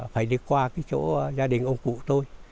phải đi qua chỗ gia đình ông cụ tôi